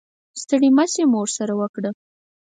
ستړې مسې مو ورسره وکړه.